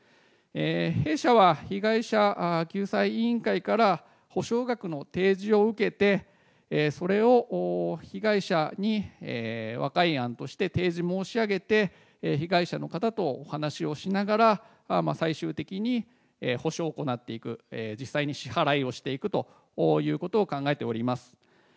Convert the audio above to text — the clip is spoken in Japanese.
弊社は被害者救済委員会から補償額の提示を受けて、それを被害者に和解案として提示申し上げて、被害者の方とお話をしながら、最終的に補償を行っていく、実際に支払いをしていくということを考えております。